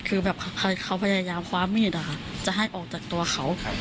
คือแบบเขาพยายามคว้ามีดจะให้ออกจากตัวเขา